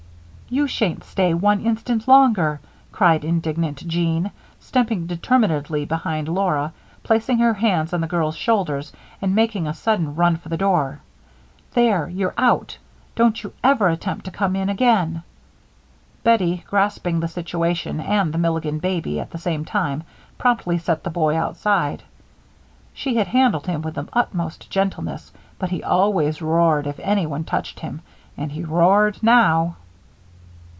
"You shan't stay one instant longer!" cried indignant Jean, stepping determinedly behind Laura, placing her hands on the girl's shoulders, and making a sudden run for the door. "There! You're out. Don't you ever attempt to come in again." Bettie, grasping the situation and the Milligan baby at the same time, promptly set the boy outside. She had handled him with the utmost gentleness, but he always roared if anyone touched him, and he roared now.